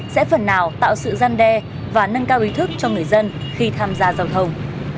sẽ phần nào tạo sự gian đe và nâng cao ý thức cho người dân khi tham gia giao thông